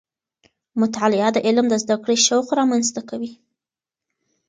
مطالعه د علم د زده کړې شوق رامنځته کوي.